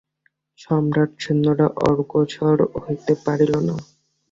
সম্রাট-সৈন্যেরা অগ্রসর হইতে পারিল না।